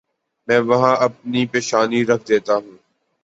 میں وہاں اپنی پیشانی رکھ دیتا ہوں۔